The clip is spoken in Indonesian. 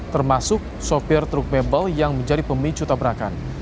termasuk sopir truk mebel yang menjadi pemicu tabrakan